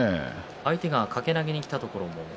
相手が掛け投げにきたところ。